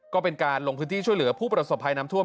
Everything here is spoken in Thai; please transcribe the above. ก็เป็นการลงพื้นที่ช่วยเหลือผู้ประสบภัยน้ำท่วม